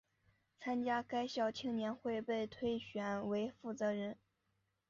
参加该校青年会并被推选为负责人。